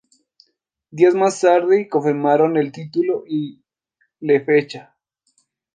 Días más tarde confirmaron el título y le fecha.